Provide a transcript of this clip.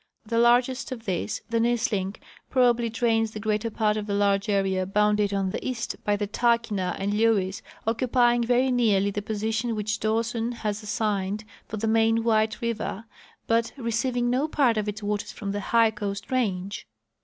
The largest of these, the Nisling, prob ably drains the greater part of the large area bounded on the east by the Tahkeena and Lewes, occupying very nearly the position which Dawson has assigned for the main A¥hite river, but receiving no part of its waters from the high Coast range.